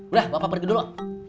udah bapak pergi dulu